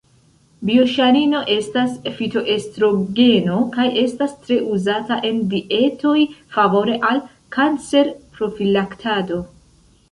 Bioŝanino estas fitoestrogeno kaj estas tre uzata en dietoj favore al kancerprofilaktado.